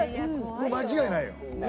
もう間違いないよ。